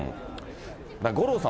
五郎さん